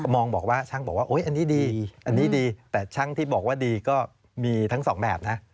มองบอกว่าช่างบอกว่าอันนี้ดีอันนี้ดีแต่ช่างที่บอกว่าดีก็มีทั้งสองแบบนะ